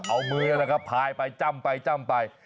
เอามือนะครับพายไปจ้ำไป